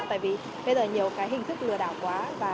tại vì bây giờ nhiều cái hình thức lừa đảo quá